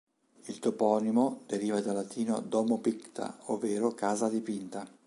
Il toponimo deriva dal latino "domo picta", ovvero "casa dipinta".